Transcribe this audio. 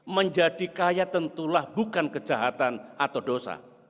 menjadi kaya tentulah bukan kejahatan atau dosa